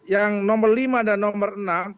yang nomor lima dan nomor enam